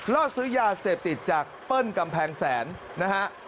ล่อซื้อยาเสพติดจากเปิ้ลกำแพงแสนนะฮะ